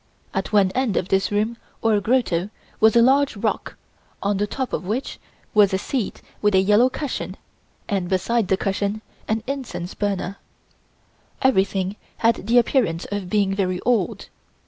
At one end of this room or grotto was a large rock, on the top of which was a seat with a yellow cushion, and beside the cushion an incense burner. Everything had the appearance of being very old.